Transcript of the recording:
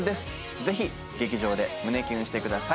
ぜひ劇場で胸キュンしてください